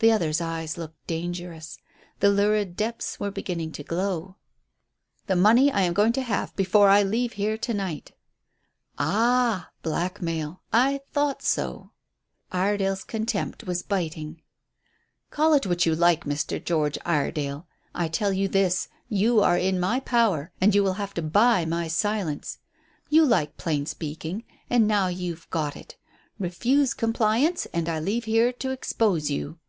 The other's eyes looked dangerous. The lurid depths were beginning to glow. "The money I am going to have before I leave here to night." "Ah! blackmail. I thought so." Iredale's contempt was biting. "Call it what you like, Mr. George Iredale. I tell you this, you are in my power and you will have to buy my silence. You like plain speaking; and now you've got it. Refuse compliance, and I leave here to expose you."